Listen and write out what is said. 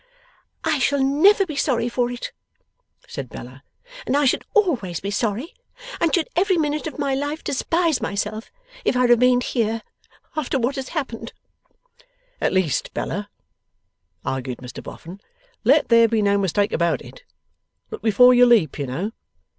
'I shall never be sorry for it,' said Bella; 'and I should always be sorry, and should every minute of my life despise myself if I remained here after what has happened.' 'At least, Bella,' argued Mr Boffin, 'let there be no mistake about it. Look before you leap, you know.